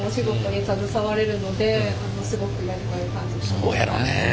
そうやろね。